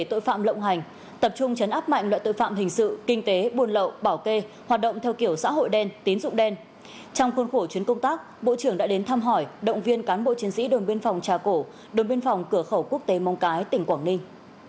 trong khuôn khổ chuyến công tác bộ trưởng đã đến thăm hỏi động viên cán bộ chiến sĩ đồn biên phòng trà cổ đồn biên phòng cửa khẩu quốc tế mong cái tỉnh quảng ninh